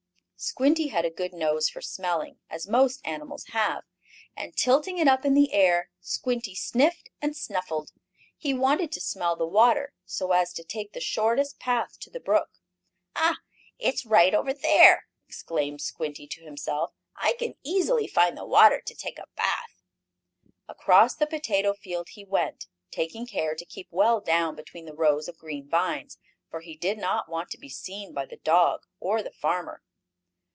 Squinty had a good nose for smelling, as most animals have, and, tilting it up in the air, Squinty sniffed and snuffed. He wanted to smell the water, so as to take the shortest path to the brook. "Ha! It's right over there!" exclaimed Squinty to himself. "I can easily find the water to take a bath." Across the potato field he went, taking care to keep well down between the rows of green vines, for he did not want to be seen by the dog, or the farmer.